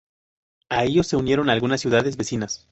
A ellos se unieron algunas ciudades vecinas.